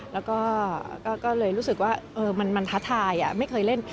แล้วก็ก็เลยรู้สึกว่ามันท้าทายไม่เคยเล่น